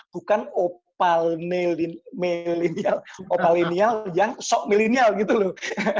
bukan opalineal yang sok milenial gitu loh